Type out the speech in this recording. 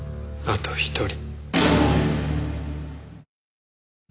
あと１人。